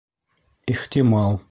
Ихтимал